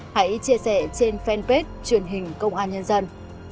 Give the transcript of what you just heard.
hãy chia sẻ trên fanpage truyền hình công an nhân dân